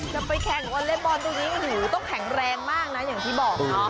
จะไปแข่งวอเล็ตบอลตรงนี้ต้องแข่งแรงมากนะอย่างที่บอก